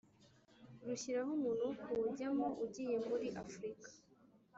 rushyiraho umuntu wo kuwujyamo Ugiye muri afurika